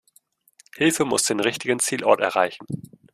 Hilfe muss den richtigen Zielort erreichen.